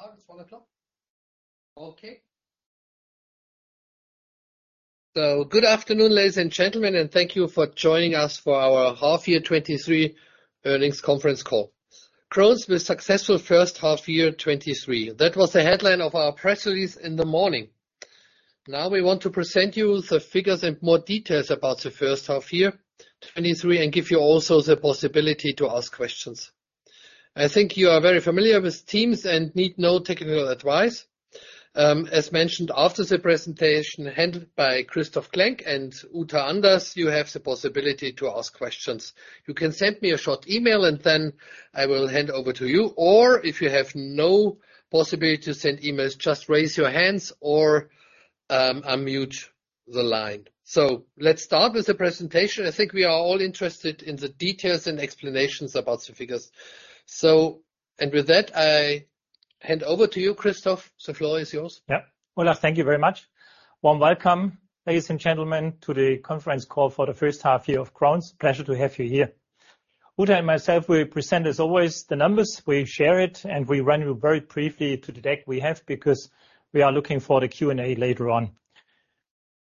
Start, it's 1:00 P.M.? Okay. Good afternoon, ladies and gentlemen, and thank you for joining us for our Half Year 2023 Earnings Conference Call. Krones with successful first half year 2023. That was the headline of our press release in the morning. We want to present you the figures and more details about the first half year 2023, and give you also the possibility to ask questions. I think you are very familiar with Teams and need no technical advice. As mentioned, after the presentation handled by Christoph Klenk and Uta Anders, you have the possibility to ask questions. You can send me a short email, and then I will hand over to you. Or if you have no possibility to send emails, just raise your hands or unmute the line. Let's start with the presentation. I think we are all interested in the details and explanations about the figures. With that, I hand over to you, Christoph. The floor is yours. Yeah. Olaf, thank you very much. Warm welcome, ladies and gentlemen, to the conference call for the first half-year of Krones. Pleasure to have you here. Uta and myself, we present, as always, the numbers. We share it, and we run you very briefly to the deck we have, because we are looking for the Q&A later on.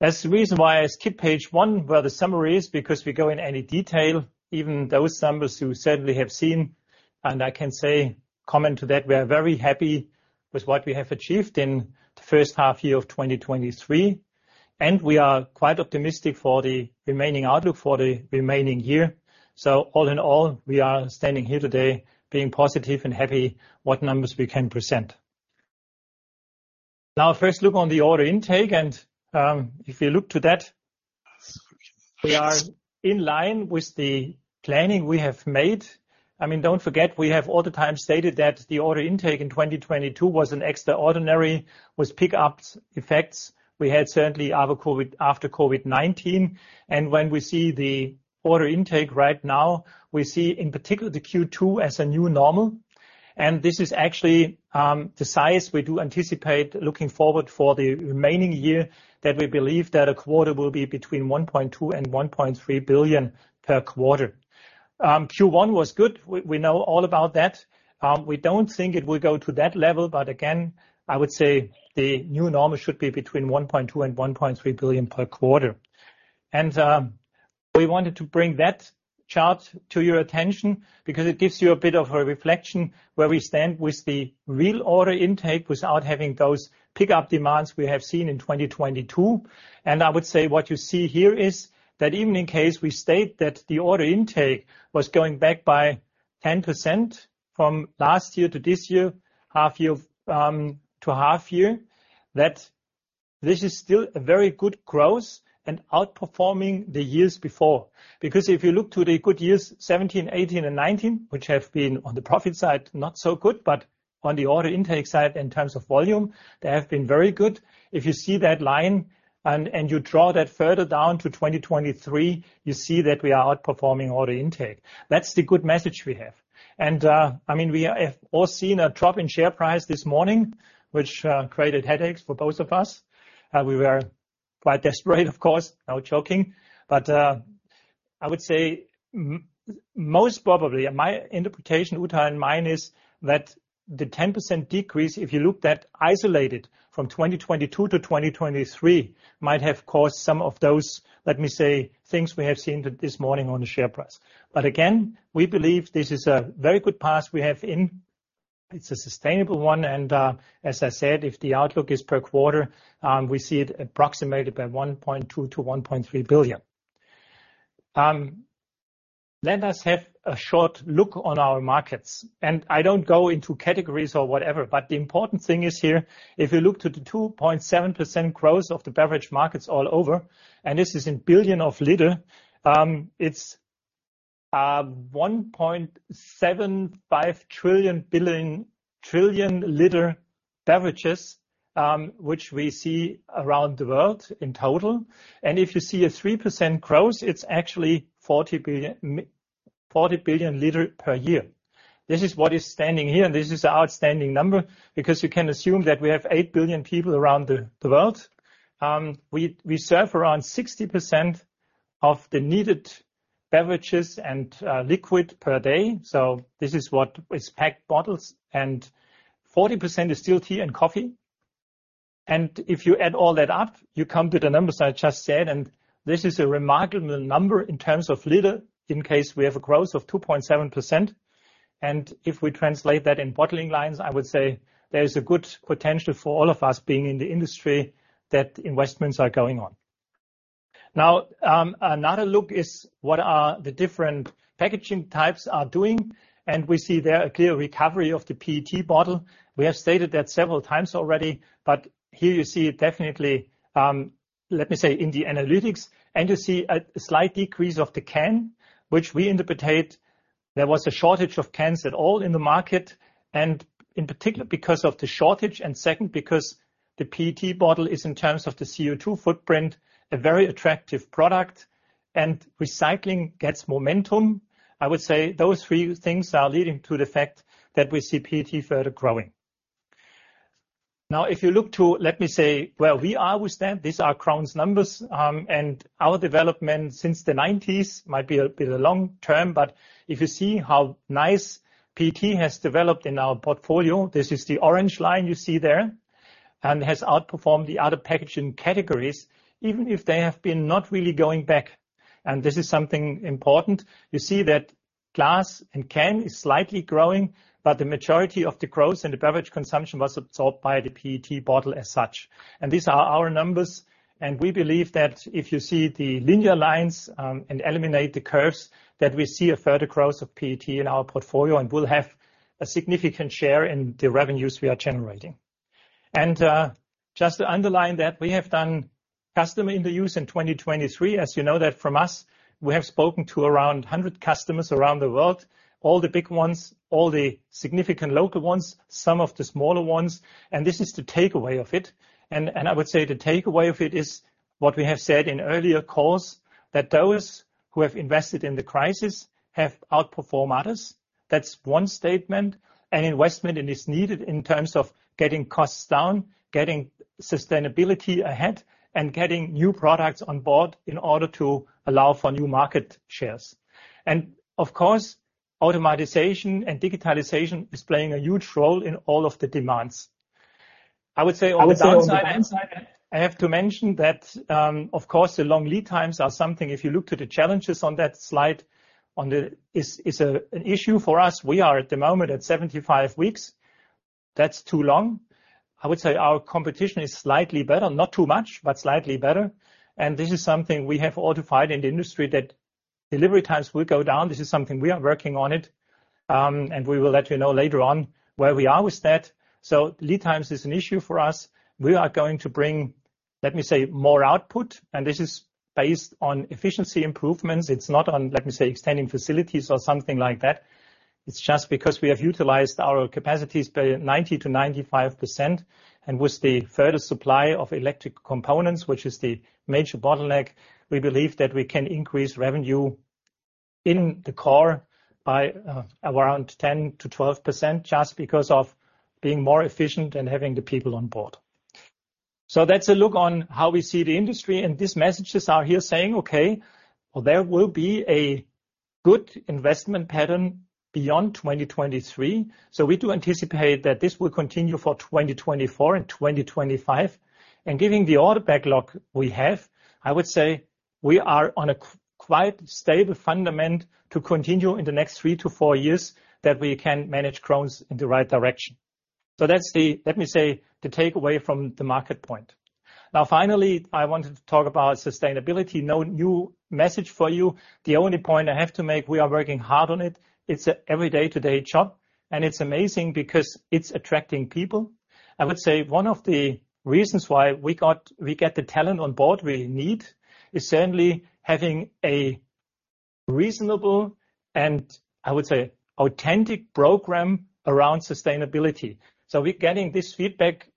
That's the reason why I skip page 1, where the summary is, because we go in any detail, even those numbers you certainly have seen. I can say, comment to that, we are very happy with what we have achieved in the first half-year of 2023, and we are quite optimistic for the remaining outlook for the remaining year. All in all, we are standing here today being positive and happy what numbers we can present. Now, first look on the order intake. If you look to that, we are in line with the planning we have made. I mean, don't forget, we have all the time stated that the order intake in 2022 was an extraordinary, with pick-ups effects. We had certainly after COVID, after COVID-19. When we see the order intake right now, we see in particular the Q2 as a new normal. This is actually the size we do anticipate looking forward for the remaining year, that we believe that a quarter will be between 1.2 billion and 1.3 billion per quarter. Q1 was good. We, we know all about that. We don't think it will go to that level, but again, I would say the new normal should be between 1.2 billion and 1.3 billion per quarter. We wanted to bring that chart to your attention because it gives you a bit of a reflection where we stand with the real order intake without having those pick-up demands we have seen in 2022. I would say what you see here is, that even in case we state that the order intake was going back by 10% from last year to this year, half year to half year, that this is still a very good growth and outperforming the years before. Because if you look to the good years, 2017, 2018, and 2019, which have been on the profit side, not so good, but on the order intake side, in terms of volume, they have been very good. If you see that line and you draw that further down to 2023, you see that we are outperforming order intake. That's the good message we have. I mean, we have all seen a drop in share price this morning, which created headaches for both of us. We were quite desperate, of course. No joking. I would say most probably, my interpretation, Uta and mine, is that the 10% decrease, if you look that isolated from 2022 to 2023, might have caused some of those, let me say, things we have seen this morning on the share price. Again, we believe this is a very good path we have in. It's a sustainable one, and as I said, if the outlook is per quarter, we see it approximated by 1.2 billion-1.3 billion. Let us have a short look on our markets, and I don't go into categories or whatever, but the important thing is here, if you look to the 2.7% growth of the beverage markets all over, and this is in billion of liter, it's, 1.75 trillion liter beverages, which we see around the world in total. If you see a 3% growth, it's actually 40 billion liter per year. This is what is standing here, and this is an outstanding number, because you can assume that we have 8 billion people around the world. We serve around 60% of the needed beverages and, liquid per day, so this is what is packed bottles, and 40% is still tea and coffee. If you add all that up, you come to the numbers I just said, and this is a remarkable number in terms of liter, in case we have a growth of 2.7%. If we translate that in bottling lines, I would say there is a good potential for all of us being in the industry that investments are going on. Now, another look is what are the different packaging types are doing, and we see there a clear recovery of the PET bottle. We have stated that several times already, but here you see it definitely, let me say, in the analytics. You see a slight decrease of the can, which we interpret, there was a shortage of cans at all in the market, and in particular, because of the shortage, and second, because the PET bottle is, in terms of the CO2 footprint, a very attractive product, and recycling gets momentum. I would say those three things are leading to the fact that we see PET further growing. Now, if you look to, let me say, where we are with that, these are Krones numbers, and our development since the nineties might be a, be a long term, but if you see how nice PET has developed in our portfolio, this is the orange line you see there, and has outperformed the other packaging categories, even if they have been not really going back. And this is something important. You see that glass and can is slightly growing, but the majority of the growth in the beverage consumption was absorbed by the PET bottle as such. These are our numbers, and we believe that if you see the linear lines, and eliminate the curves, that we see a further growth of PET in our portfolio, and will have a significant share in the revenues we are generating. Just to underline that, we have done customer interviews in 2023. As you know that from us, we have spoken to around 100 customers around the world, all the big ones, all the significant local ones, some of the smaller ones, and this is the takeaway of it. I would say the takeaway of it is what we have said in earlier calls, that those who have invested in the crisis have outperformed others. That's one statement, investment is needed in terms of getting costs down, getting sustainability ahead, and getting new products on board in order to allow for new market shares. Of course, automatization and digitalization is playing a huge role in all of the demands. I would say on the downside, I have to mention that, of course, the long lead times are something, if you look to the challenges on that slide, is an issue for us. We are at the moment at 75 weeks. That's too long. I would say our competition is slightly better, not too much, but slightly better. This is something we have codified in the industry, that delivery times will go down. This is something we are working on it, we will let you know later on where we are with that. Lead times is an issue for us. We are going to bring, let me say, more output, and this is based on efficiency improvements. It's not on, let me say, extending facilities or something like that. It's just because we have utilized our capacities by 90%-95%, and with the further supply of electric components, which is the major bottleneck, we believe that we can increase revenue in the core by around 10%-12% just because of being more efficient and having the people on board. That's a look on how we see the industry, and these messages are here saying, okay, well, there will be a good investment pattern beyond 2023. We do anticipate that this will continue for 2024 and 2025. Given the order backlog we have, I would say we are on a quite stable fundament to continue in the next 3 to 4 years, that we can manage Crown's in the right direction. That's the, let me say, the takeaway from the market point. Finally, I wanted to talk about sustainability. No new message for you. The only point I have to make. We are working hard on it. It's an every day-to-day job, and it's amazing because it's attracting people. I would say one of the reasons why we get the talent on board we need, is certainly having a reasonable and, I would say, authentic program around sustainability. We're getting this feedback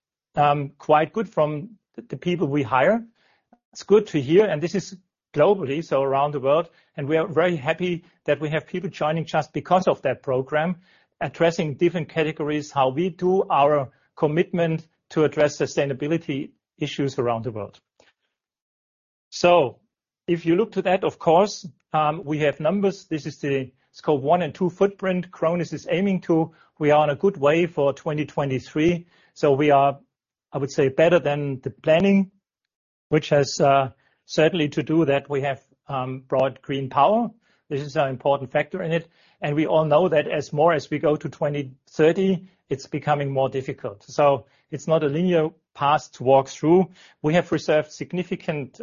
quite good from the people we hire. It's good to hear, and this is globally, so around the world, and we are very happy that we have people joining just because of that program, addressing different categories, how we do our commitment to address sustainability issues around the world. If you look to that, of course, we have numbers. This is the Scope 1 and 2 footprint Crown is, is aiming to. We are on a good way for 2023, so we are, I would say, better than the planning, which has certainly to do that, we have broad green power. This is an important factor in it, and we all know that as more as we go to 2030, it's becoming more difficult. It's not a linear path to walk through. We have reserved significant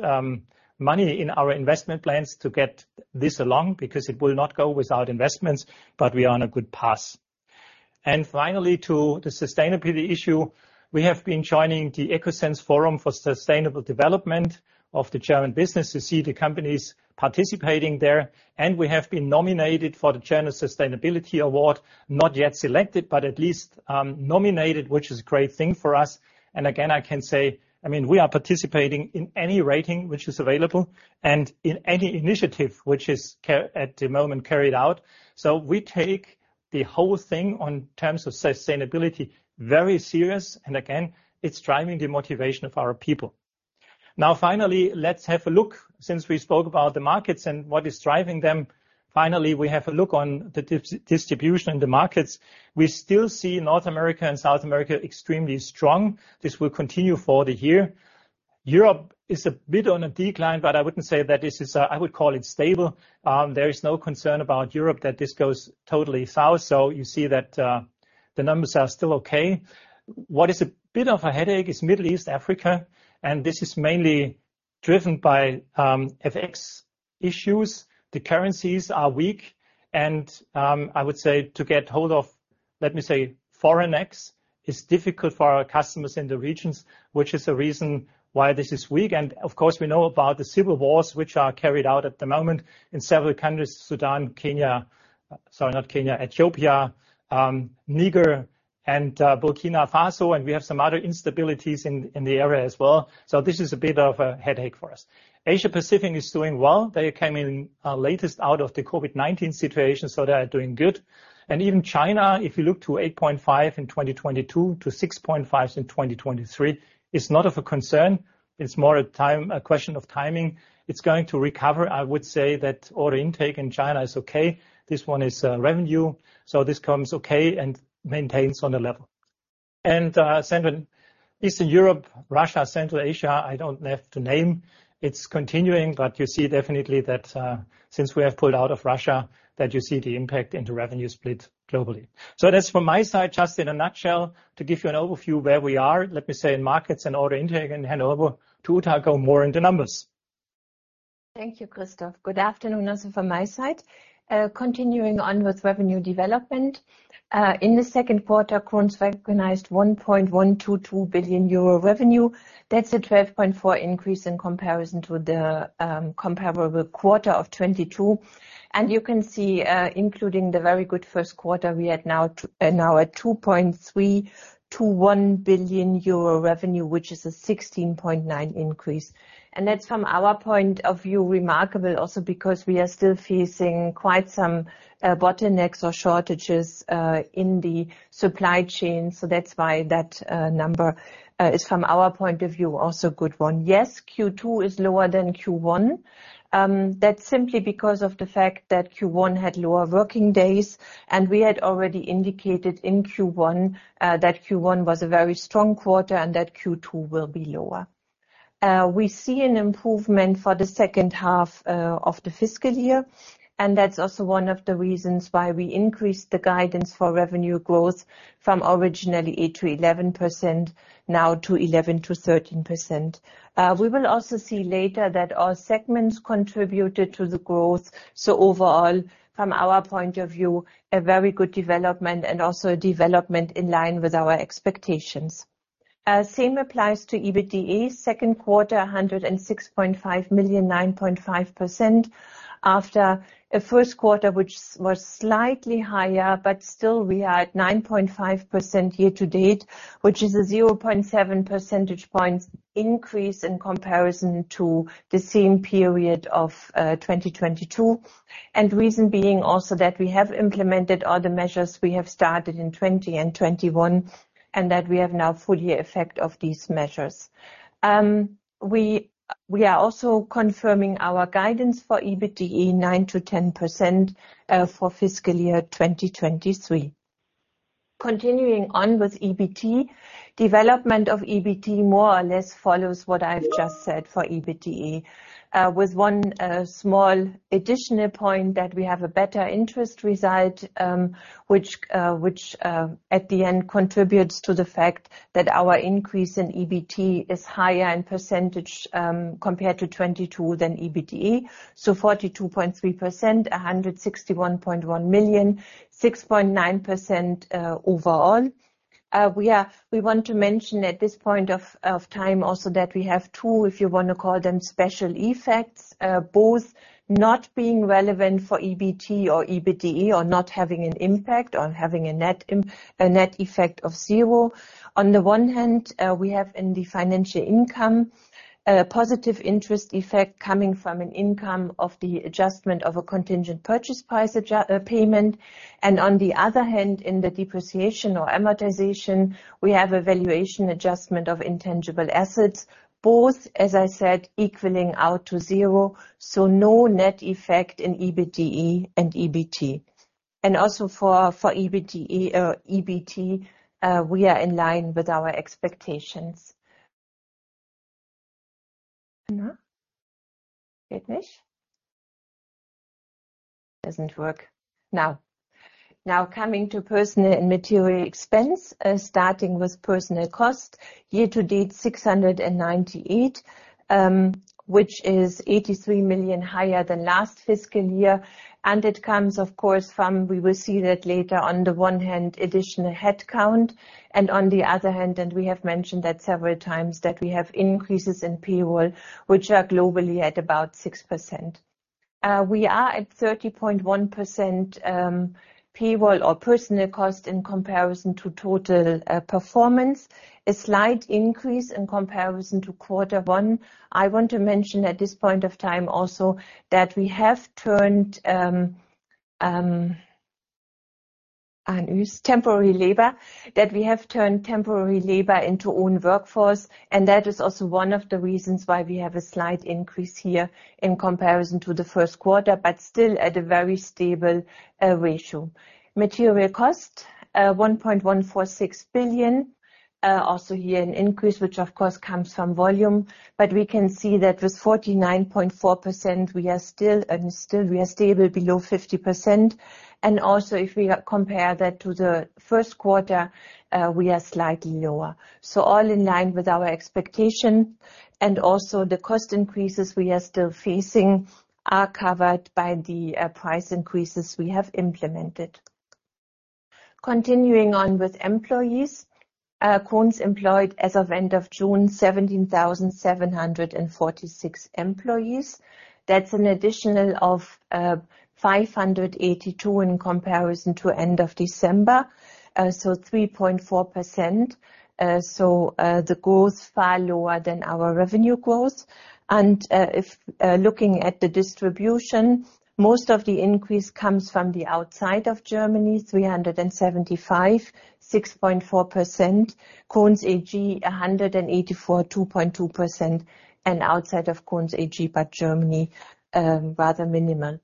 money in our investment plans to get this along, because it will not go without investments, but we are on a good path. Finally, to the sustainability issue, we have been joining the econsense Forum for Sustainable Development of the German Business to see the companies participating there. We have been nominated for the German Sustainability Award. Not yet selected, but at least nominated, which is a great thing for us. Again, I can say, I mean, we are participating in any rating which is available and in any initiative which is at the moment carried out. We take the whole thing on terms of sustainability, very serious, and again, it's driving the motivation of our people. Finally, let's have a look, since we spoke about the markets and what is driving them. Finally, we have a look on the distribution in the markets. We still see North America and South America extremely strong. This will continue for the year. Europe is a bit on a decline, but I wouldn't say that this is. I would call it stable. There is no concern about Europe, that this goes totally south, so you see that the numbers are still okay. What is a bit of a headache is Middle East, Africa, and this is mainly driven by FX issues. The currencies are weak and I would say to get hold of, let me say, foreign X is difficult for our customers in the regions, which is a reason why this is weak. Of course, we know about the civil wars, which are carried out at the moment in several countries, Sudan, Kenya, sorry, not Kenya, Ethiopia, Niger. Burkina Faso, and we have some other instabilities in the area as well. This is a bit of a headache for us. Asia Pacific is doing well. They came in latest out of the COVID-19 situation, so they are doing good. Even China, if you look to 8.5 in 2022, to 6.5 in 2023, it's not of a concern, it's more a time, a question of timing. It's going to recover. I would say that order intake in China is okay. This one is revenue, so this comes okay and maintains on the level. Central-- Eastern Europe, Russia, Central Asia, I don't have to name. It's continuing, but you see definitely that since we have pulled out of Russia, that you see the impact into revenue split globally. That's from my side, just in a nutshell, to give you an overview where we are, let me say, in markets and order intake, and hand over to Uta, go more into numbers. Thank you, Christoph. Good afternoon, also from my side. Continuing on with revenue development, in the Q2, Krones recognized 1.122 billion euro revenue. That's a 12.4% increase in comparison to the comparable quarter of 2022. You can see, including the very good Q1, we are now at 2.321 billion euro revenue, which is a 16.9% increase. That's, from our point of view, remarkable also because we are still facing quite some bottlenecks or shortages in the supply chain. That's why that number is, from our point of view, also a good one. Yes, Q2 is lower than Q1. That's simply because of the fact that Q1 had lower working days, and we had already indicated in Q1 that Q1 was a very strong quarter and that Q2 will be lower. We see an improvement for the second half of the fiscal year, and that's also one of the reasons why we increased the guidance for revenue growth from originally 8%-11%, now to 11%-13%. We will also see later that all segments contributed to the growth. Overall, from our point of view, a very good development, and also a development in line with our expectations. Same applies to EBITDA. Q2, 106.5 million, 9.5%, after a Q1 which was slightly higher, but still we are at 9.5% year-to-date, which is a 0.7 percentage points increase in comparison to the same period of 2022. Reason being also that we have implemented all the measures we have started in 2020 and 2021, and that we have now full year effect of these measures. We are also confirming our guidance for EBITDA, 9%-10%, for fiscal year 2023. Continuing on with EBT, development of EBT more or less follows what I've just said for EBITDA, with one small additional point, that we have a better interest result, which, which, at the end, contributes to the fact that our increase in EBT is higher in percentage, compared to 2022 than EBITDA. 42.3%, 161.1 million, 6.9% overall. We want to mention at this point of time also that we have two, if you want to call them, special effects, both not being relevant for EBT or EBITDA, or not having an impact, or having a net effect of 0. On the one hand, we have in the financial income, a positive interest effect coming from an income of the adjustment of a contingent purchase price payment. On the other hand, in the depreciation or amortization, we have a valuation adjustment of intangible assets. Both, as I said, equaling out to 0, so no net effect in EBITDA and EBT. Also for, for EBITDA or EBT, we are in line with our expectations. Anna? It nicht? Doesn't work. now, coming to personal and material expense, starting with personal cost. Year to date, 698, which is 83 million higher than last fiscal year. It comes, of course, from, we will see that later, on the one hand, additional headcount, and on the other hand, and we have mentioned that several times, that we have increases in payroll, which are globally at about 6%. We are at 30.1% payroll or personal cost in comparison to total performance. A slight increase in comparison to Q1. I want to mention at this point of time also, that we have turned temporary labor, that we have turned temporary labor into own workforce, and that is also one of the reasons why we have a slight increase here in comparison to the Q1, but still at a very stable ratio. Material cost, 1.146 billion. Also here, an increase, which of course comes from volume, but we can see that with 49.4%, we are still, still we are stable below 50%. If we are compare that to the Q1, we are slightly lower. All in line with our expectation, and also the cost increases we are still facing are covered by the price increases we have implemented. Continuing on with employees.... Krones employed as of end of June, 17,746 employees. That's an additional of 582 in comparison to end of December, so 3.4%. The growth far lower than our revenue growth. If looking at the distribution, most of the increase comes from the outside of Germany, 375, 6.4%. Krones AG, 184, 2.2%, outside of Krones AG, but Germany, rather minimal.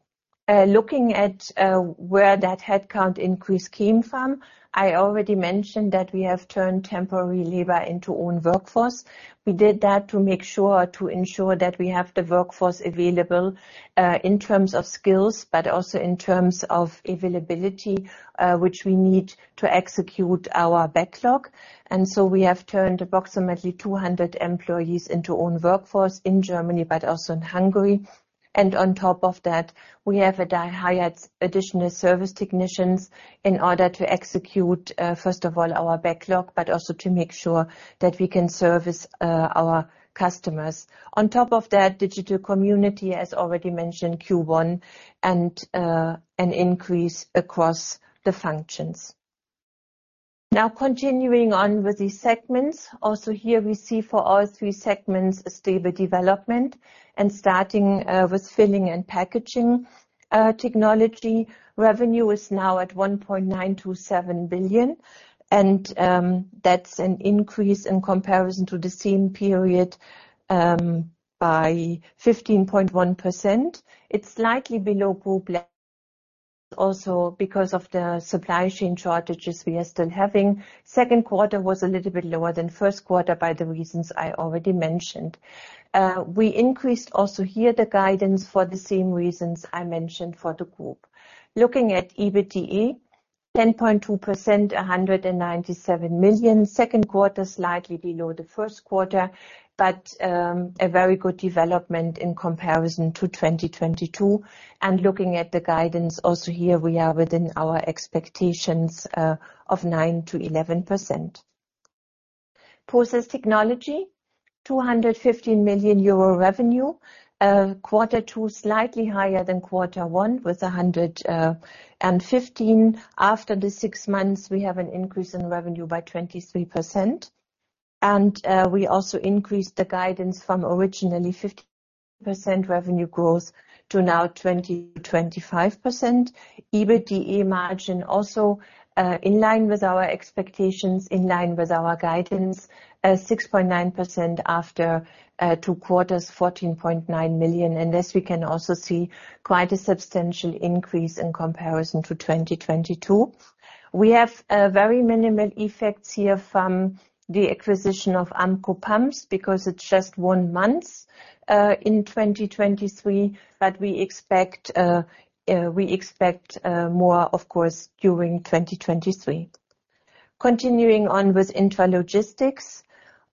Looking at where that headcount increase came from, I already mentioned that we have turned temporary labor into own workforce. We did that to make sure, to ensure that we have the workforce available, in terms of skills, but also in terms of availability, which we need to execute our backlog. We have turned approximately 200 employees into own workforce in Germany, but also in Hungary. On top of that, we have hired additional service technicians in order to execute, first of all, our backlog, but also to make sure that we can service our customers. On top of that, Krones.digital community, as already mentioned, Q1, an increase across the functions. Now, continuing on with the segments. Here we see for all three segments, a stable development, starting with filling and packaging. Technology revenue is now at 1.927 billion, that's an increase in comparison to the same period by 15.1%. It's slightly below group also because of the supply chain shortages we are still having. Q2 was a little bit lower than Q by the reasons I already mentioned. We increased also here, the guidance for the same reasons I mentioned for the group. Looking at EBITDA, 10.2%, EUR 197 million. Q2, slightly below the Q1, a very good development in comparison to 2022. Looking at the guidance, also, here we are within our expectations of 9%-11%. Process technology, 215 million euro revenue. Q2, slightly higher than Q1, with 115 million. After the six months, we have an increase in revenue by 23%, we also increased the guidance from originally 50% revenue growth to now 20%-25%. EBITDA margin, also, in line with our expectations, in line with our guidance, 6.9% after two quarters, 14.9 million. This we can also see quite a substantial increase in comparison to 2022. We have very minimal effects here from the acquisition of Ampco Pumps, because it's just one month in 2023, we expect more, of course, during 2023. Continuing on with intralogistics.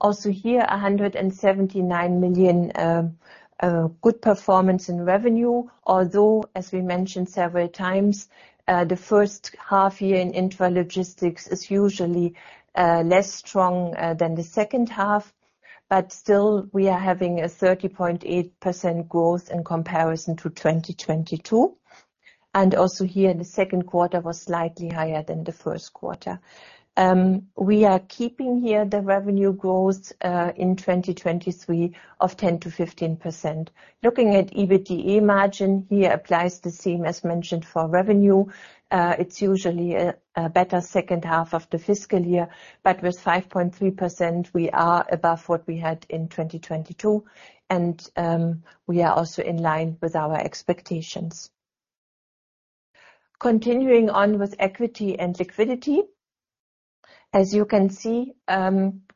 Also here, 179 million good performance in revenue, although, as we mentioned several times, the first half year in intralogistics is usually less strong than the second half, still, we are having a 30.8% growth in comparison to 2022. Also here, the Q2 was slightly higher than the Q1. We are keeping here the revenue growth in 2023 of 10%-15%. Looking at EBITDA margin, here applies the same as mentioned for revenue. It's usually a better second half of the fiscal year, with 5.3%, we are above what we had in 2022, and we are also in line with our expectations. Continuing on with equity and liquidity. As you can see,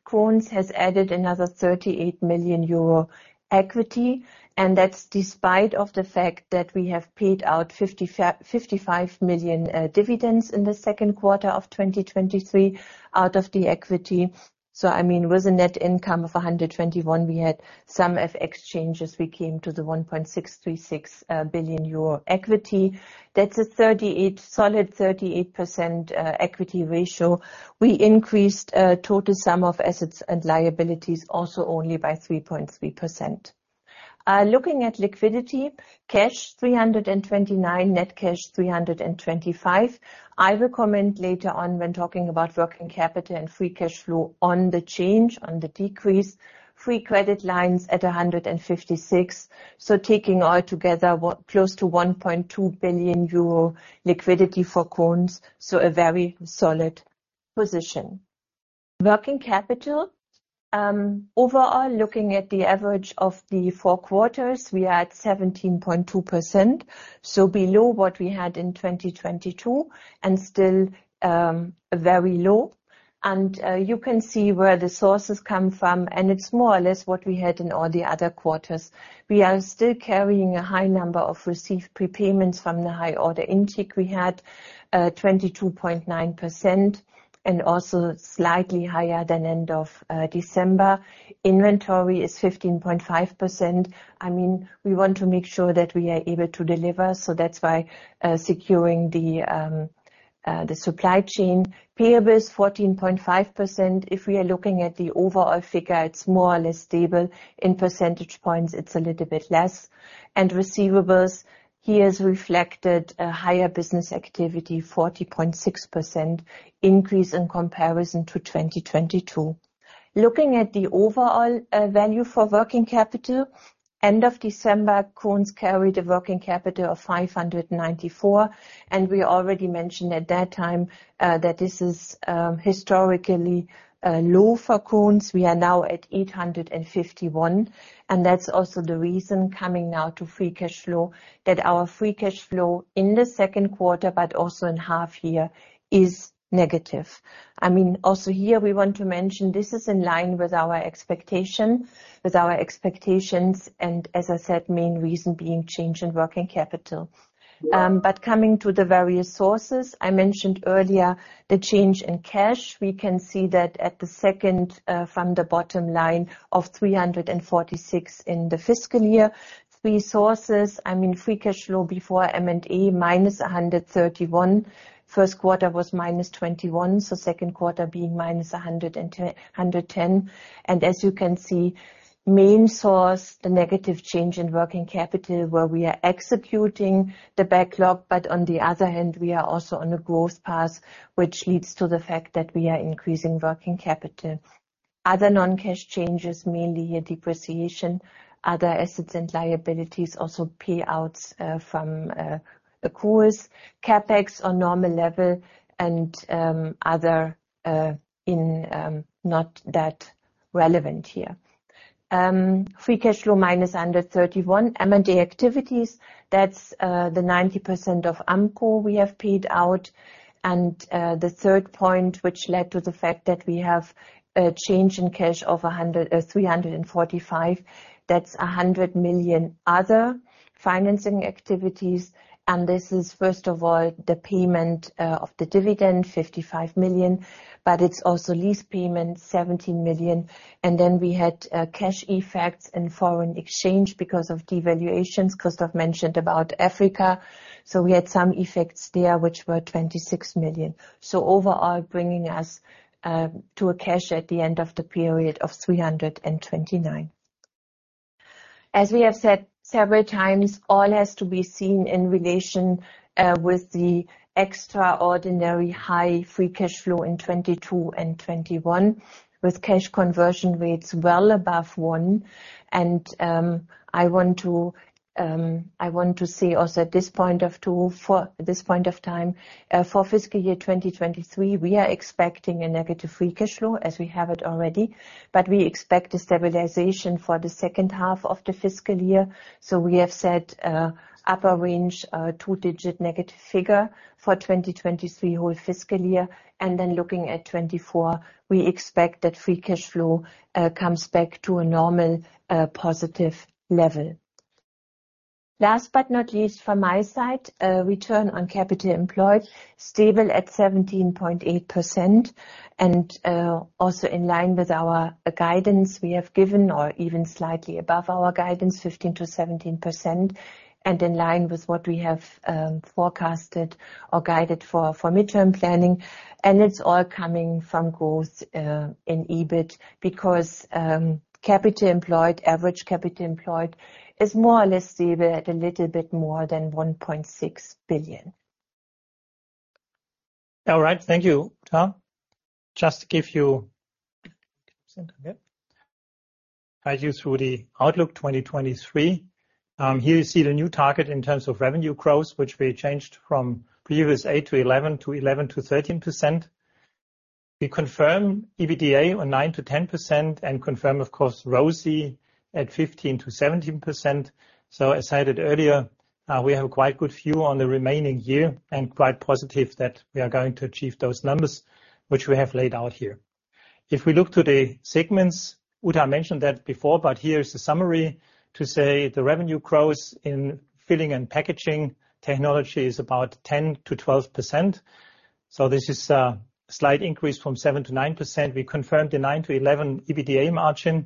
Krones has added another 38 million euro equity, and that's despite of the fact that we have paid out 55 million dividends in the Q2 of 2023 out of the equity. I mean, with a net income of 121, we had some FX changes. We came to the 1.636 billion euro equity. That's a 38%, solid 38% equity ratio. We increased total sum of assets and liabilities also only by 3.3%. Looking at liquidity, cash, 329, net cash, 325. I will comment later on when talking about working capital and free cash flow on the change, on the decrease. Free credit lines at 156. Taking all together, close to 1.2 billion euro liquidity for Krones, so a very solid position. Working capital, overall, looking at the average of the four quarters, we are at 17.2%, so below what we had in 2022 and still very low. You can see where the sources come from, and it's more or less what we had in all the other quarters. We are still carrying a high number of received prepayments from the high order intake. We had 22.9% and also slightly higher than end of December. Inventory is 15.5%. I mean, we want to make sure that we are able to deliver, so that's why securing the supply chain. Payables, 14.5%. If we are looking at the overall figure, it's more or less stable. In percentage points, it's a little bit less. Receivables, here is reflected a higher business activity, 40.6% increase in comparison to 2022. Looking at the overall value for working capital, end of December, Krones carried a working capital of 594, and we already mentioned at that time that this is historically low for Krones. We are now at 851, and that's also the reason, coming now to free cash flow, that our free cash flow in the Q2, but also in half year, is negative. I mean, also here, we want to mention, this is in line with our expectation, with our expectations, and as I said, main reason being change in working capital. Coming to the various sources, I mentioned earlier the change in cash. We can see that at the second from the bottom line of 346 in the fiscal year. Three sources, I mean, free cash flow before M&A, minus 131. Q1 was minus 21, Q2 being minus 110. As you can see, main source, the negative change in working capital, where we are executing the backlog, but on the other hand, we are also on a growth path, which leads to the fact that we are increasing working capital. Other non-cash changes, mainly a depreciation. Other assets and liabilities also pay out from a course. CapEx on normal level and other in not that relevant here. Free cash flow, minus 31. M&A activities, that's the 90% of Ampco we have paid out. The third point, which led to the fact that we have a change in cash of 345, that's 100 million other financing activities, and this is, first of all, the payment of the dividend, 55 million, but it's also lease payment, 17 million. We had cash effects and foreign exchange because of devaluations. Christoph mentioned about Africa, so we had some effects there, which were 26 million. Overall, bringing us to a cash at the end of the period of 329. As we have said several times, all has to be seen in relation with the extraordinary high free cash flow in 2022 and 2021, with cash conversion rates well above 1. I want to say also at this point of time, for fiscal year 2023, we are expecting a negative free cash flow, as we have it already. We expect a stabilization for the second half of the fiscal year. We have set a upper range, two-digit negative figure for 2023 whole fiscal year. Looking at 2024, we expect that free cash flow comes back to a normal, positive level. Last but not least, from my side, return on capital employed, stable at 17.8%, also in line with our guidance we have given, or even slightly above our guidance, 15%-17%, and in line with what we have forecasted or guided for, for midterm planning. It's all coming from growth in EBIT, because capital employed, average capital employed, is more or less stable at a little bit more than 1.6 billion. All right. Thank you, Uta. Just to guide you through the outlook 2023, here you see the new target in terms of revenue growth, which we changed from previous 8%-11%, to 11%-13%. We confirm EBITDA on 9%-10%, confirm, of course, ROCE at 15%-17%. As I said earlier, we have a quite good view on the remaining year, and quite positive that we are going to achieve those numbers which we have laid out here. If we look to the segments, Uta mentioned that before, but here is a summary to say the revenue growth in filling and packaging technology is about 10%-12%, so this is a slight increase from 7%-9%. We confirmed a 9%-11% EBITDA margin.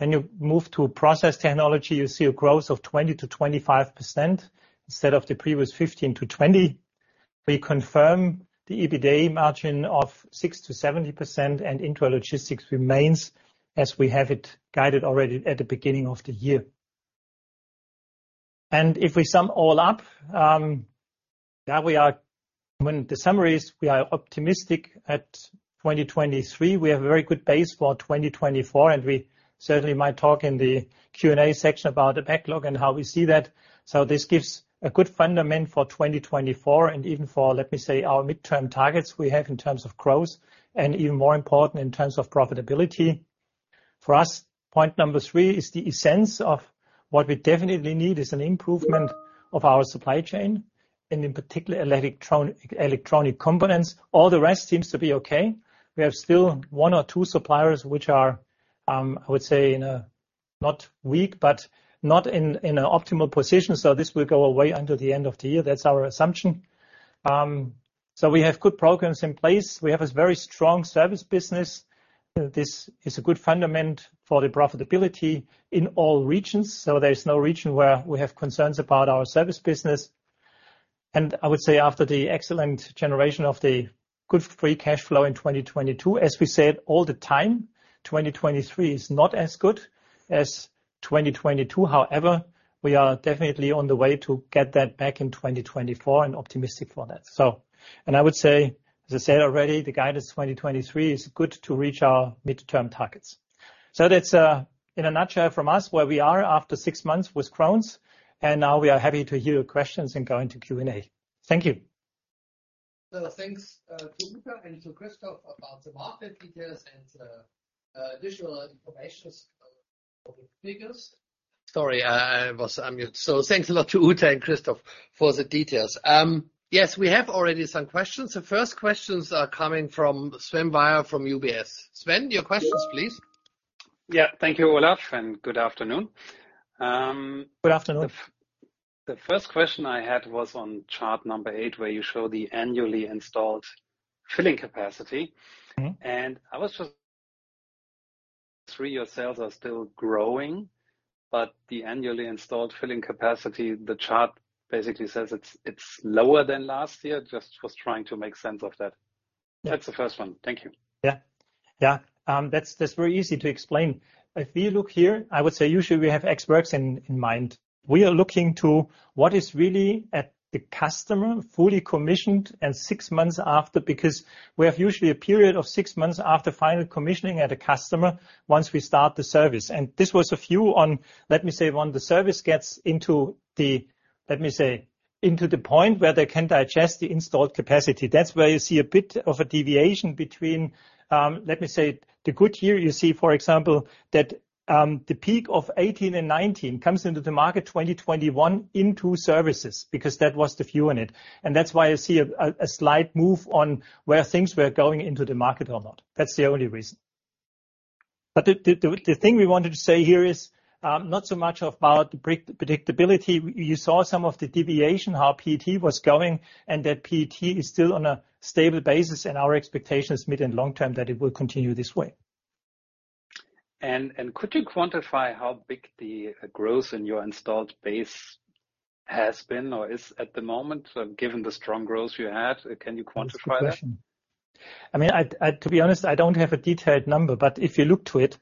You move to process technology, you see a growth of 20%-25% instead of the previous 15%-20%. We confirm the EBITDA margin of 6%-70%. Intralogistics remains as we have it guided already at the beginning of the year. If we sum all up, we are optimistic at 2023. We have a very good base for 2024, and we certainly might talk in the Q&A section about the backlog and how we see that. This gives a good fundament for 2024 and even for, let me say, our midterm targets we have in terms of growth, and even more important, in terms of profitability. For us, point number 3 is the essence of what we definitely need is an improvement of our supply chain, and in particular, electronic, electronic components. All the rest seems to be okay. We have still one or two suppliers which are, I would say, in a, not weak, but not in, in an optimal position, so this will go away until the end of the year. That's our assumption. We have good programs in place. We have a very strong service business. This is a good fundament for the profitability in all regions, so there is no region where we have concerns about our service business. I would say after the excellent generation of the good free cash flow in 2022, as we said all the time, 2023 is not as good as 2022. However, we are definitely on the way to get that back in 2024 and optimistic for that. I would say, as I said already, the guidance 2023 is good to reach our midterm targets. That's, in a nutshell from us, where we are after six months with Krones, and now we are happy to hear your questions and go into Q&A. Thank you. Thanks to Uta and to Christoph about the market details and additional informations for the figures. Sorry, I, I was on mute. Thanks a lot to Uta and Christoph for the details. Yes, we have already some questions. The first questions are coming from Sven Weier from UBS. Sven, your questions, please. Yeah. Thank you, Olaf. Good afternoon. Good afternoon. The first question I had was on chart number 8, where you show the annually installed filling capacity. Mm-hmm. 3-year sales are still growing, but the annually installed filling capacity, the chart basically says it's lower than last year. Just was trying to make sense of that. That's the first one. Thank you. Yeah. Yeah, that's, that's very easy to explain. If you look here, I would say usually we have experts in, in mind. We are looking to what is really at the customer, fully commissioned and six months after, because we have usually a period of six months after final commissioning at a customer, once we start the service. This was a few on, let me say, when the service gets into the, let me say, into the point where they can digest the installed capacity. That's where you see a bit of a deviation between, let me say, the good year. You see, for example, that the peak of 2018 and 2019 comes into the market 2021 in two services, because that was the view in it. That's why you see a, a slight move on where things were going into the market or not. That's the only reason. The, the, the, the thing we wanted to say here is not so much about the predictability. You saw some of the deviation, how PET was going, and that PET is still on a stable basis, and our expectation is mid and long term, that it will continue this way. Could you quantify how big the growth in your installed base has been or is at the moment, given the strong growth you had? Can you quantify that? Good question. I mean, I, I, to be honest, I don't have a detailed number, but if you look to it,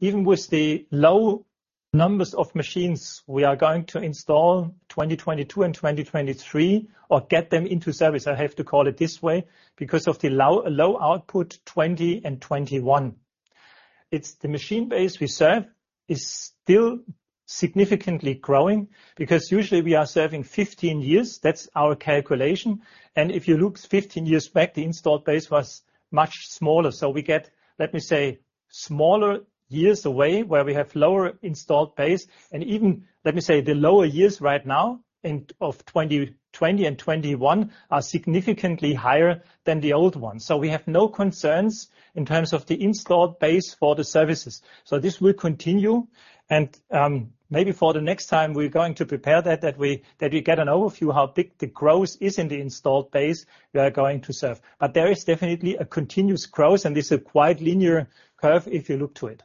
even with the low numbers of machines we are going to install 2022 and 2023, or get them into service, I have to call it this way, because of the low, low output, 2020 and 2021. It's the machine base we serve is still significantly growing, because usually we are serving 15 years. That's our calculation. If you look 15 years back, the installed base was much smaller. We get, let me say, smaller years away, where we have lower installed base. Even, let me say, the lower years right now, in, of 2020 and 2021, are significantly higher than the old one. We have no concerns in terms of the installed base for the services. This will continue. Maybe for the next time we're going to prepare that, that we, that we get an overview of how big the growth is in the installed base we are going to serve. There is definitely a continuous growth, and this is a quite linear curve if you look to it.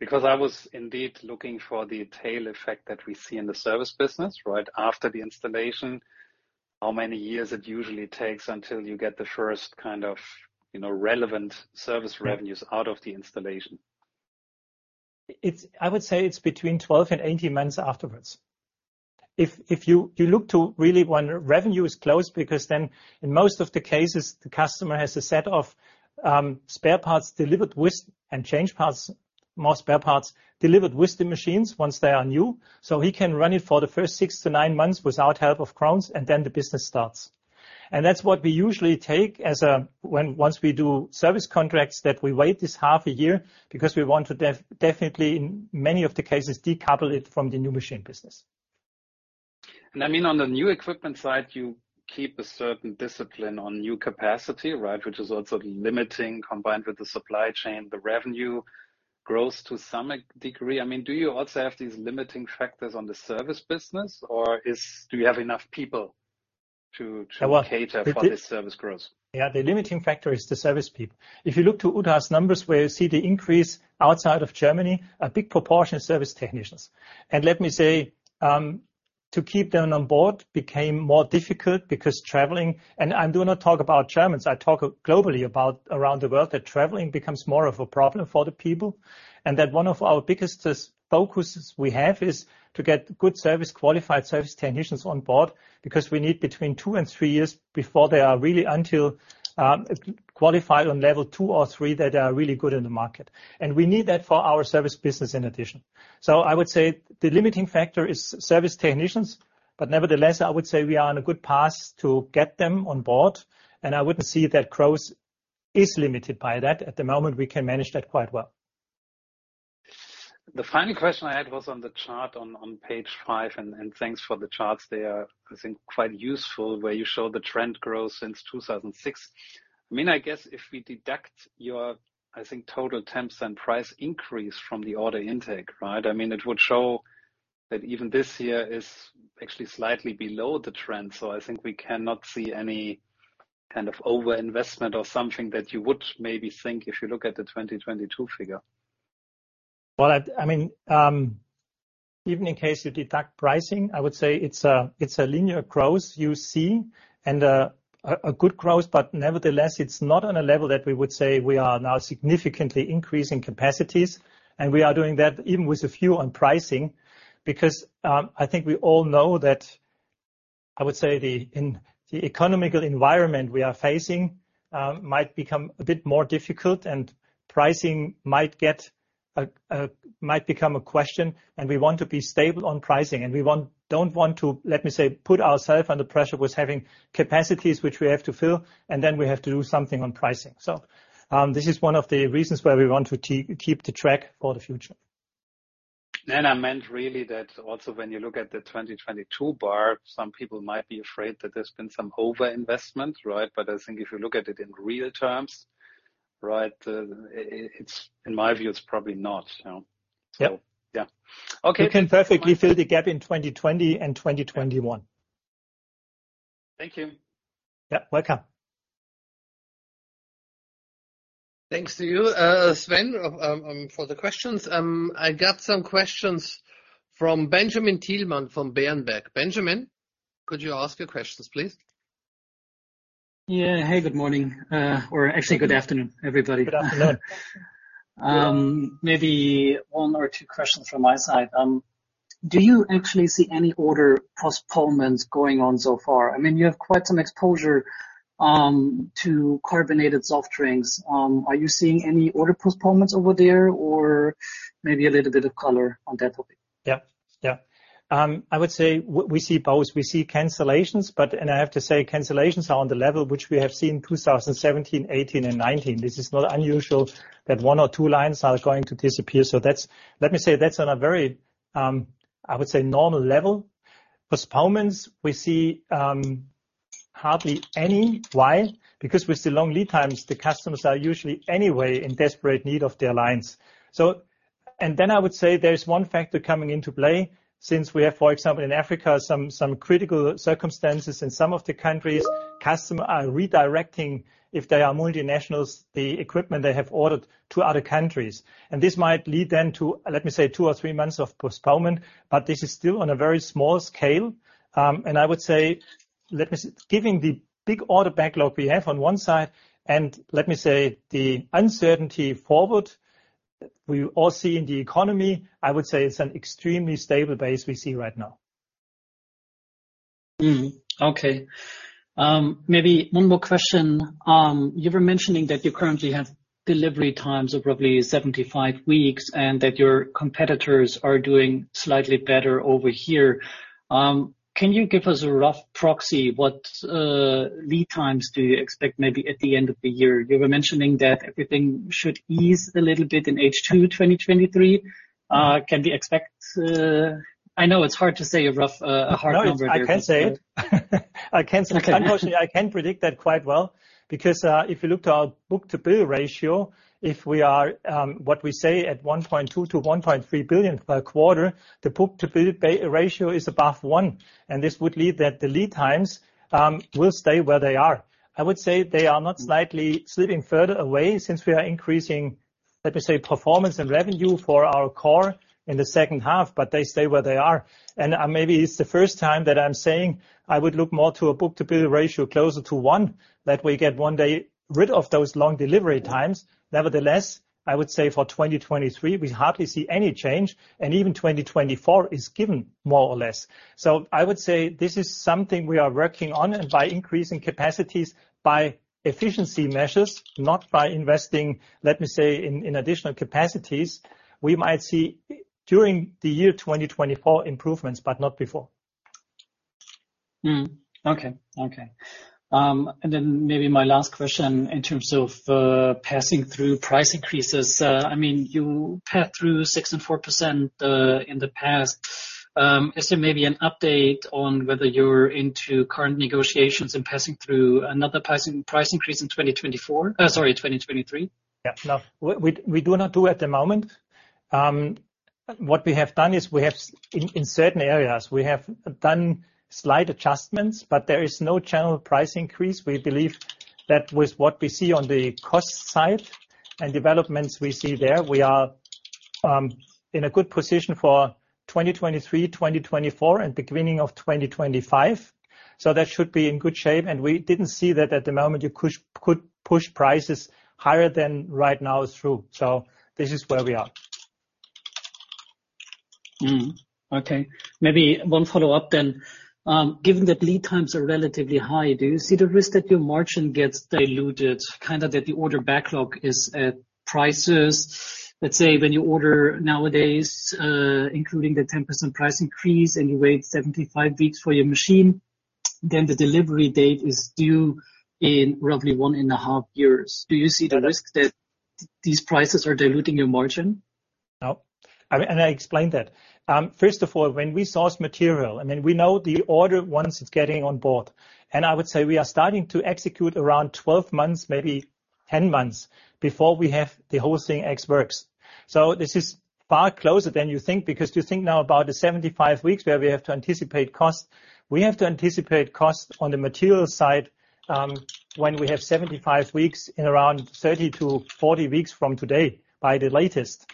I was indeed looking for the tail effect that we see in the service business, right after the installation, how many years it usually takes until you get the first kind of, you know, relevant service revenues out of the installation. It's I would say it's between 12 and 18 months afterwards. If, if you, you look to really when revenue is closed, because then in most of the cases, the customer has a set of spare parts delivered with, and change parts, more spare parts, delivered with the machines once they are new. He can run it for the first six to nine months without help of Krones, and then the business starts. That's what we usually take as once we do service contracts, that we wait this half a year because we want to definitely, in many of the cases, decouple it from the new machine business. I mean, on the new equipment side, you keep a certain discipline on new capacity, right? Which is also limiting, combined with the supply chain, the revenue growth to some degree. I mean, do you also have these limiting factors on the service business, or do you have enough people to cater for this service growth? Yeah, the limiting factor is the service people. If you look to Uta's numbers, where you see the increase outside of Germany, a big proportion is service technicians. Let me say, to keep them on board became more difficult because traveling. I do not talk about Germans, I talk globally about around the world, that traveling becomes more of a problem for the people. That one of our biggest focuses we have, is to get good service, qualified service technicians on board, because we need between 2 and 3 years before they are really until, qualified on level 2 or 3, that are really good in the market. We need that for our service business in addition. I would say the limiting factor is service technicians, but nevertheless, I would say we are on a good path to get them on board, and I wouldn't see that growth is limited by that. At the moment, we can manage that quite well. The final question I had was on the chart on page 5, and thanks for the charts. They are, I think, quite useful, where you show the trend growth since 2006. I mean, I guess if we deduct your, I think, total temps and price increase from the order intake, right? I mean, it would show that even this year is actually slightly below the trend. I think we cannot see any kind of overinvestment or something that you would maybe think if you look at the 2022 figure. Well, I, I mean, even in case you deduct pricing, I would say it's a linear growth you see, and a good growth, but nevertheless, it's not on a level that we would say we are now significantly increasing capacities. We are doing that even with a few on pricing, because, I think we all know the economical environment we are facing might become a bit more difficult, and pricing might become a question, and we want to be stable on pricing, and we don't want to, let me say, put ourself under pressure with having capacities which we have to fill, and then we have to do something on pricing. This is one of the reasons why we want to keep the track for the future. I meant really that also, when you look at the 2022 bar, some people might be afraid that there's been some overinvestment, right? But I think if you look at it in real terms, right, it's, in my view, it's probably not, so. Yeah. Yeah. Okay. We can perfectly fill the gap in 2020 and 2021. Thank you. Yeah, welcome. Thanks to you, Sven, for the questions. I got some questions from Benjamin Thielmann, from Berenberg. Benjamin, could you ask your questions, please? Yeah. Hey, good morning, or actually good afternoon, everybody. Good afternoon. Maybe one or two questions from my side. Do you actually see any order postponements going on so far? I mean, you have quite some exposure to carbonated soft drinks. Are you seeing any order postponements over there, or maybe a little bit of color on that topic? Yeah, yeah. I would say we see both. We see cancellations, but... I have to say, cancellations are on the level which we have seen 2017, 2018, and 2019. This is not unusual that one or two lines are going to disappear. Let me say, that's on a very, I would say, normal level. Postponements, we see hardly any. Why? Because with the long lead times, the customers are usually anyway in desperate need of their lines. Then I would say there is one factor coming into play, since we have, for example, in Africa, some, some critical circumstances in some of the countries, customer are redirecting, if they are multinationals, the equipment they have ordered to other countries, and this might lead then to, let me say, 2 or 3 months of postponement, but this is still on a very small scale. I would say, giving the big order backlog we have on one side, and let me say, the uncertainty forward we all see in the economy, I would say it's an extremely stable base we see right now. Mm. Okay. Maybe one more question. You were mentioning that you currently have delivery times of probably 75 weeks, and that your competitors are doing slightly better over here. Can you give us a rough proxy, what lead times do you expect maybe at the end of the year? You were mentioning that everything should ease a little bit in H2 2023. Can we expect... I know it's hard to say a rough, a hard number- No, I can say it. Okay. Unfortunately, I can predict that quite well, because if you look to our book-to-bill ratio, if we are what we say at 1.2 billion-1.3 billion per quarter, the book-to-bill ratio is above 1, this would lead that the lead times will stay where they are. I would say they are not slightly slipping further away since we are increasing, let me say, performance and revenue for our core in the second half, but they stay where they are. Maybe it's the first time that I'm saying I would look more to a book-to-bill ratio closer to 1, that we get one day rid of those long delivery times. Nevertheless, I would say for 2023, we hardly see any change, and even 2024 is given more or less. I would say this is something we are working on, and by increasing capacities, by efficiency measures, not by investing, let me say, in additional capacities, we might see, during the year 2024, improvements, but not before. Okay, okay. Then maybe my last question in terms of passing through price increases. I mean, you passed through 6% and 4% in the past. Is there maybe an update on whether you're into current negotiations and passing through another price increase in 2024? Sorry, 2023. Yeah. No, we, we, we do not do at the moment. What we have done is we have, in, in certain areas, we have done slight adjustments, but there is no general price increase. We believe that with what we see on the cost side and developments we see there, we are, in a good position for 2023, 2024, and beginning of 2025. That should be in good shape, and we didn't see that at the moment you could push prices higher than right now through. This is where we are. Mm. Okay, maybe one follow-up then. Given that lead times are relatively high, do you see the risk that your margin gets diluted, kind of that the order backlog is at prices? Let's say, when you order nowadays, including the 10% price increase, and you wait 75 weeks for your machine, then the delivery date is due in roughly one and a half years. Do you see the risk that these prices are diluting your margin? No. I mean, I explained that. First of all, when we source material, then we know the order once it's getting on board. I would say we are starting to execute around 12 months, maybe 10 months, before we have the whole thing Ex Works. This is far closer than you think, because you think now about the 75 weeks where we have to anticipate costs. We have to anticipate costs on the material side, when we have 75 weeks in around 30-40 weeks from today, by the latest.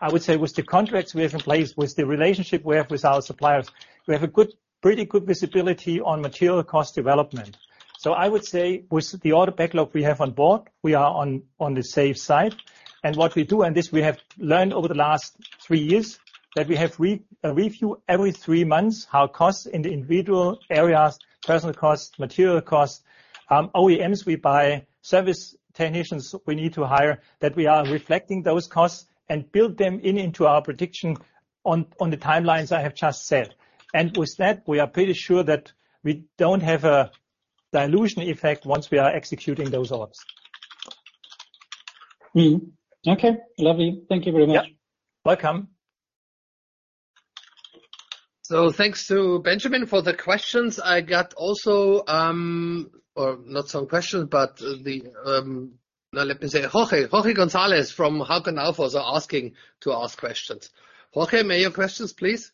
I would say, with the contracts we have in place, with the relationship we have with our suppliers, we have a pretty good visibility on material cost development. I would say, with the order backlog we have on board, we are on, on the safe side. What we do, and this we have learned over the last 3 years, that we have review every 3 months how costs in the individual areas, personal costs, material costs, OEMs we buy, service technicians we need to hire, that we are reflecting those costs and build them in into our prediction on the timelines I have just said. With that, we are pretty sure that we don't have a dilution effect once we are executing those orders. Mm. Okay, lovely. Thank you very much. Yeah. Welcome. Thanks to Benjamin for the questions. I got also, or not some questions, but the, now let me say, Jorge, Jorge Gonzalez from Hauck & Aufhäuser are asking to ask questions. Jorge, may your questions, please?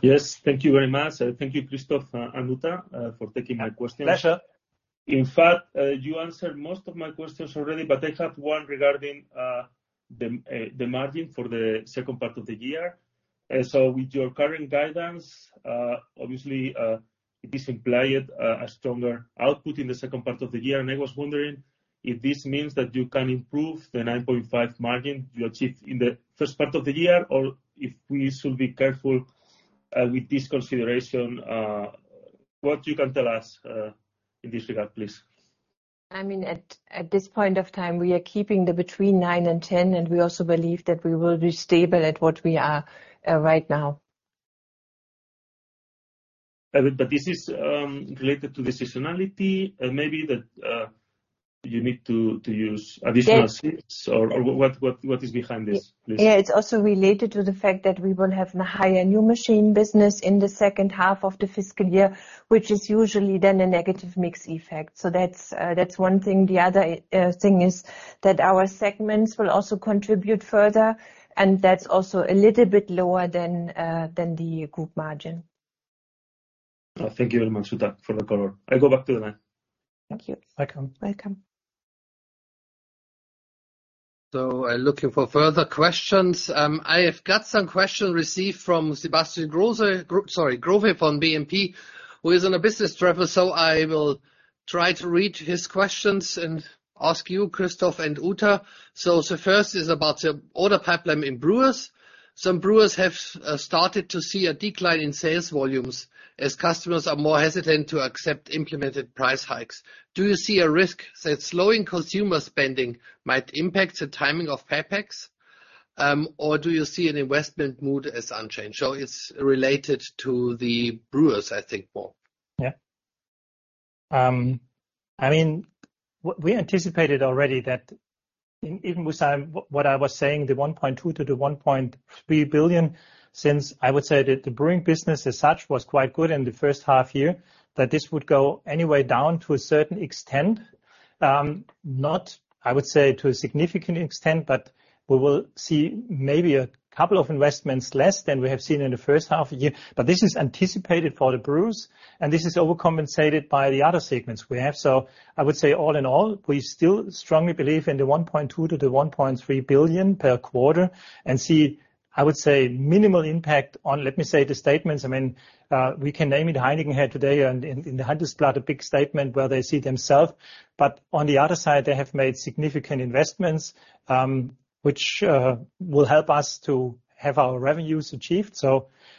Yes, thank you very much. Thank you, Christoph and Uta, for taking my question. Pleasure. In fact, you answered most of my questions already, but I have one regarding the margin for the second part of the year. With your current guidance, obviously, this implied a stronger output in the second part of the year, and I was wondering if this means that you can improve the 9.5% margin you achieved in the first part of the year, or if we should be careful with this consideration? What you can tell us in this regard, please? I mean, at, at this point of time, we are keeping the between 9% and 10%, and we also believe that we will be stable at what we are right now. This is, related to the seasonality, and maybe that, you need to, to use additional- Yeah... or what is behind this, please? Yeah, it's also related to the fact that we will have a higher new machine business in the second half of the fiscal year, which is usually then a negative mix effect. That's one thing. The other thing is that our segments will also contribute further, and that's also a little bit lower than the group margin. Thank you very much, Uta, for the call. I go back to the line. Thank you. Welcome. Welcome. I'm looking for further questions. I have got some question received from Sebastian Growe from BNP, who is on a business travel. I will try to read his questions and ask you, Christoph and Uta. The first is about the order pipeline in brewers. Some brewers have started to see a decline in sales volumes as customers are more hesitant to accept implemented price hikes. Do you see a risk that slowing consumer spending might impact the timing of CapEx? Or do you see an investment mood as unchanged? It's related to the brewers, I think, more. Yeah. I mean, we anticipated already that even with what I was saying, the 1.2 billion-1.3 billion, since I would say that the brewing business as such was quite good in the first half-year, that this would go anyway down to a certain extent. Not, I would say, to a significant extent, but we will see maybe a couple of investments less than we have seen in the first half of the year. This is anticipated for the brewers, and this is overcompensated by the other segments we have. I would say, all in all, we still strongly believe in the 1.2 billion-1.3 billion per quarter, and see, I would say, minimal impact on, let me say, the statements. I mean, we can name it Heineken here today and in, in the Hunters plot, a big statement where they see themselves. On the other side, they have made significant investments, which will help us to have our revenues achieved.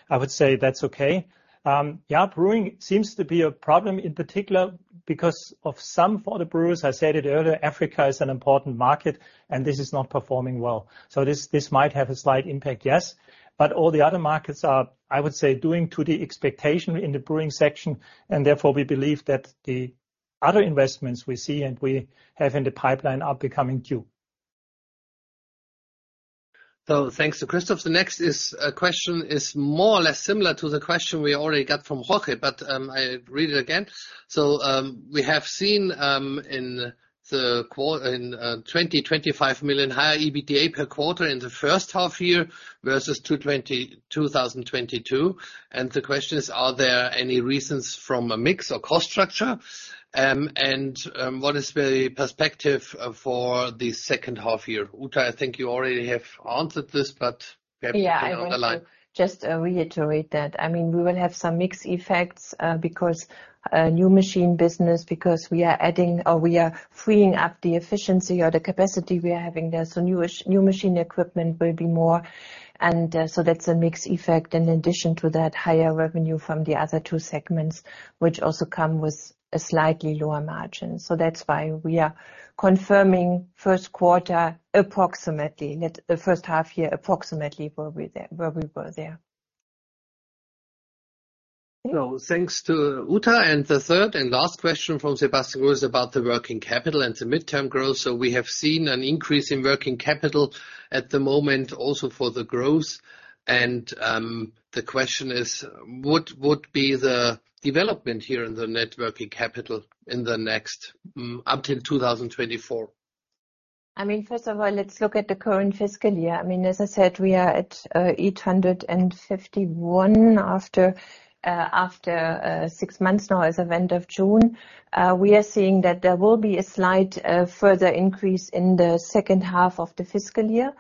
I would say that's okay. Yeah, brewing seems to be a problem, in particular because of some for the brewers. I said it earlier, Africa is an important market, and this is not performing well. This, this might have a slight impact, yes, but all the other markets are, I would say, doing to the expectation in the brewing section, and therefore, we believe that the other investments we see and we have in the pipeline are becoming due. Thanks to Christoph. The next question is more or less similar to the question we already got from Jorge, but I read it again. We have seen EUR 25 million higher EBITDA per quarter in the first half year versus 2022. The question is, are there any reasons from a mix or cost structure? And what is the perspective for the second half year? Uta, I think you already have answered this, but perhaps you can elaborate. I want to just reiterate that. I mean, we will have some mix effects because new machine business, because we are adding or we are freeing up the efficiency or the capacity we are having there, so new machine equipment will be more, and so that's a mix effect. In addition to that, higher revenue from the other two segments, which also come with a slightly lower margin. That's why we are confirming Q1, approximately, the first half year, approximately where we there, where we were there. Thanks to Uta, and the third and last question from Sebastian, was about the working capital and the midterm growth. We have seen an increase in working capital at the moment, also for the growth. The question is: What would be the development here in the net working capital in the next, up till 2024? I mean, first of all, let's look at the current fiscal year. I mean, as I said, we are at 851 after 6 months now, as of end of June. We are seeing that there will be a slight, further increase in the second half of the fiscal year,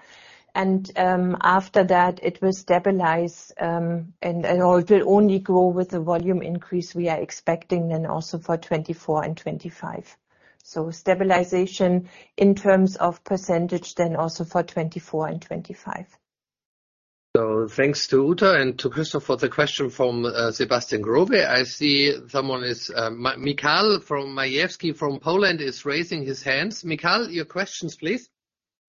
and, after that it will stabilize, and, and or it will only grow with the volume increase we are expecting, and also for 2024 and 2025. Stabilization in terms of percentage then also for 2024 and 2025. Thanks to Uta and to Christoph for the question from Sebastian Growe. I see someone is Michał Majewski from Poland is raising his hands. Michał, your questions, please.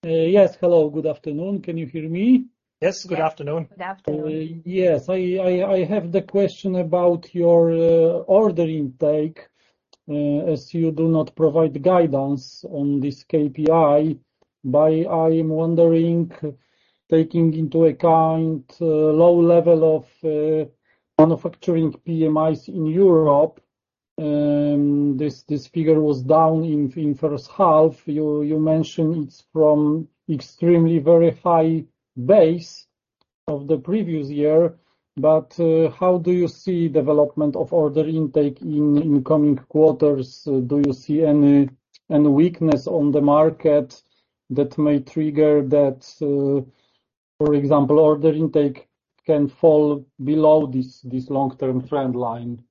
Yes. Hello, good afternoon. Can you hear me? Yes, good afternoon. Good afternoon. question about your order intake. As you do not provide guidance on this KPI, but I am wondering, taking into account low level of manufacturing PMIs in Europe, this figure was down in first half. You mentioned it's from extremely very high base of the previous year, but how do you see development of order intake in coming quarters? Do you see any weakness on the market that may trigger that, for example, order intake can fall below this long-term trend line?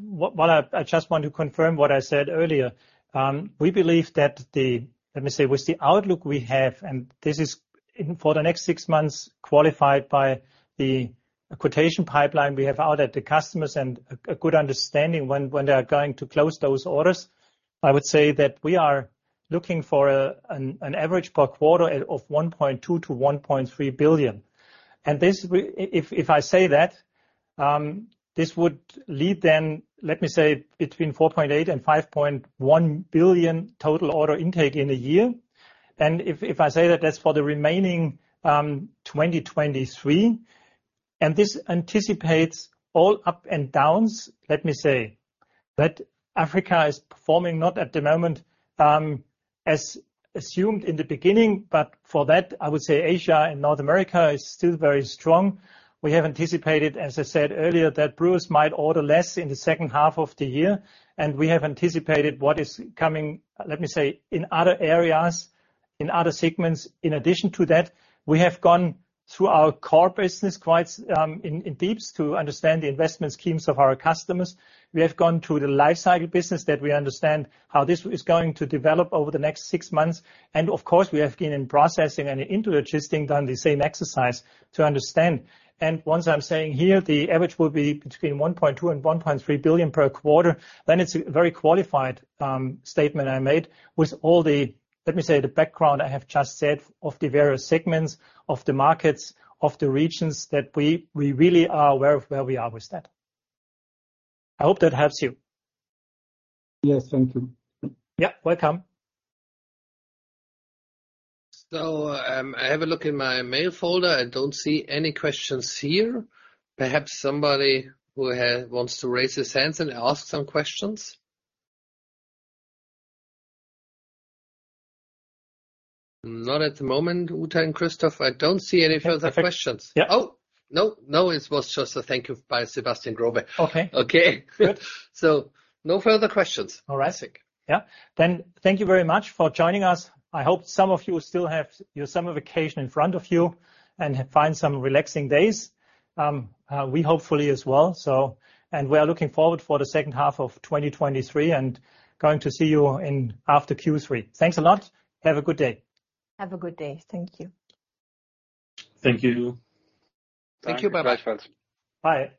Well, well, I, I just want to confirm what I said earlier. We believe that, let me say, with the outlook we have, and this is for the next six months, qualified by the quotation pipeline we have out at the customers and a good understanding when, when they are going to close those orders. I would say that we are looking for an average per quarter of 1.2 billion-1.3 billion. This would lead then, let me say, between 4.8 billion and 5.1 billion total order intake in a year. If, if I say that that's for the remaining 2023, and this anticipates all up and downs, let me say, that Africa is performing not at the moment as assumed in the beginning. For that, I would say Asia and North America is still very strong. We have anticipated, as I said earlier, that brewers might order less in the second half of the year, and we have anticipated what is coming, let me say, in other areas, in other segments. In addition to that, we have gone through our core business quite in deep to understand the investment schemes of our customers. We have gone through the life cycle business, that we understand how this is going to develop over the next six months, and of course, we have been in processing and into adjusting, done the same exercise to understand. Once I'm saying here, the average will be between 1.2 billion and 1.3 billion per quarter, then it's a very qualified statement I made with all the, let me say, the background I have just said of the various segments, of the markets, of the regions that we, we really are aware of where we are with that. I hope that helps you. Yes, thank you. Yeah, welcome. I have a look in my mail folder. I don't see any questions here. Perhaps somebody who wants to raise his hands and ask some questions? Not at the moment, Uta and Christoph. I don't see any further questions. Yeah. Oh! No, no, it was just a thank you by Sebastian Growe. Okay. Okay. Good. No further questions. All right. I think. Yeah. Thank you very much for joining us. I hope some of you still have your summer vacation in front of you and find some relaxing days. We hopefully as well. We are looking forward for the second half of 2023, and going to see you in after Q3. Thanks a lot. Have a good day. Have a good day. Thank you. Thank you. Thank you. Bye. Bye, folks. Bye.